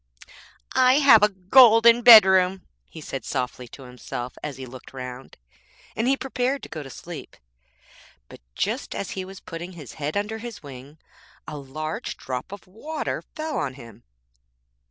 'I have a golden bedroom,' he said softly to himself as he looked round, and he prepared to go to sleep; but just as he was putting his head under his wing, a large drop of water fell on him.'